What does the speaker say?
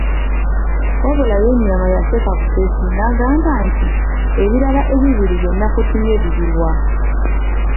Wabula ye Nyaama yaseka busesi n'agamba nti, ebirala ebibiri bye nakutumye biriwa?